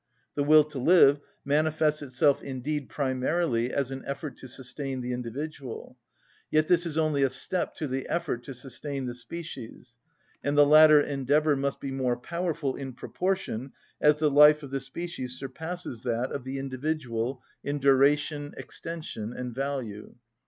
The will to live manifests itself indeed primarily as an effort to sustain the individual; yet this is only a step to the effort to sustain the species, and the latter endeavour must be more powerful in proportion as the life of the species surpasses that of the individual in duration, extension, and value.